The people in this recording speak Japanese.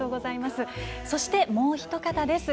そして、もうひと方です。